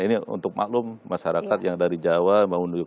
ini untuk maklum masyarakat yang dari jawa mau ke barat ya